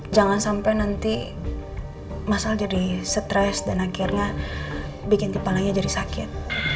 jangan sampai nanti masal jadi stres dan akhirnya bikin kepalanya jadi sakit